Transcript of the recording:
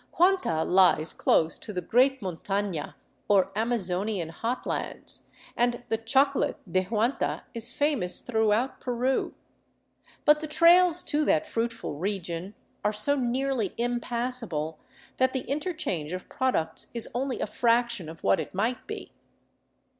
Huanta lies close to the great montana, or Amazonian hot lands, and the " chocolate de Huanta " is famous throughout Peru. But the trails to that fruitful region are so nearly impassable that the interchange of products is only a fraction of what it might be.